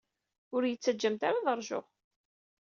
Ur iyi-ttaǧǧamt ara ad ṛjuɣ!